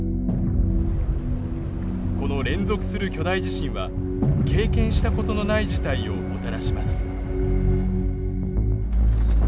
この連続する巨大地震は経験したことのない事態をもたらします。